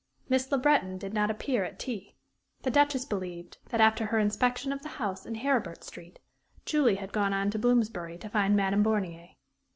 Miss Le Breton did not appear at tea. The Duchess believed that, after her inspection of the house in Heribert Street, Julie had gone on to Bloomsbury to find Madame Bornier.